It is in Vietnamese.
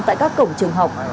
tại các cổng trường học